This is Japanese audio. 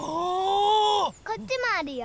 こっちもあるよ！